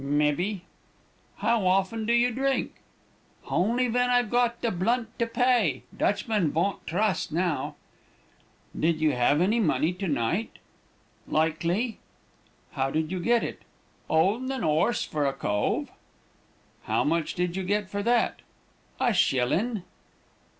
"'Mebbee.' "'How often do you drink?' "'Honly ven I've got the blunt to pay. Dutchmen vont trust now.' "'Did you have any money to night?' "'Likely.' "'How did you get it?' "''Oldin' an 'orse for a cove.' "'How much did you get for that?' "'A shillin.'